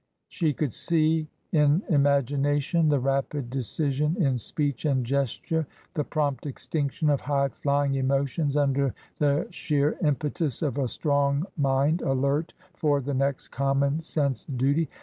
She could see in imagination the rapid decision in speech and gesture, the prompt extinction of high flying emotions under the sheer impetus of a strong mind alert for the next common sense duty.